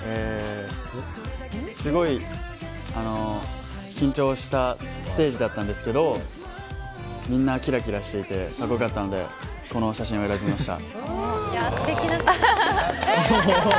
すごい緊張したステージだったんですけどみんなきらきらしていてかっこよかったのでこの写真を選びました。